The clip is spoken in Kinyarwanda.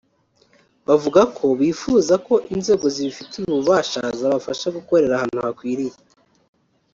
Bavuga ko bifuza ko inzego zibifitiye ububasha zabafasha gukorera ahantu hakwiriye